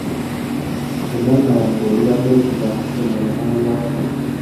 Omwana wange olubadde okuva ku ssomero n'alwala.